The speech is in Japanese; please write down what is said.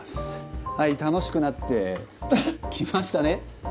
はい楽しくなってきましたね。